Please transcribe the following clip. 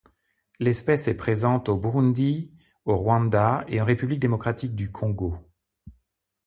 L'espèce est présente au Burundi, au Rwanda et en République démocratique du Congo.